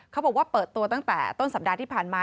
เขาบอกว่าเปิดตัวตั้งแต่ต้นสัปดาห์ที่ผ่านมา